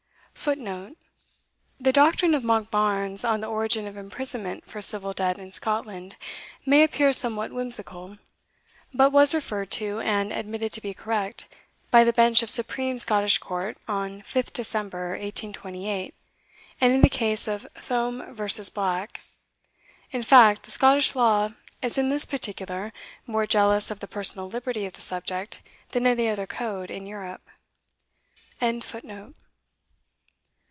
The doctrine of Monkbarns on the origin of imprisonment for civil debt in Scotland, may appear somewhat whimsical, but was referred to, and admitted to be correct, by the Bench of the Supreme Scottish Court, on 5th December 1828, in the case of Thom v. Black. In fact, the Scottish law is in this particular more jealous of the personal liberty of the subject than any other code in Europe.